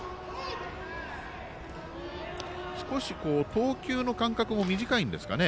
少し投球の間隔も短いんですかね。